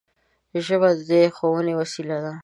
ژبه د ښوونې وسیله ده